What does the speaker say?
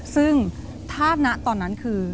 ซึ่งท่านะตอนนั้นคือ